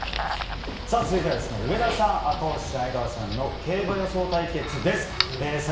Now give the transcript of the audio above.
続いては上田さん赤星さん、江川さんの競馬予想です。